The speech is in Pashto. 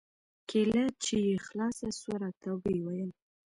کېله چې يې خلاصه سوه راته ويې ويل.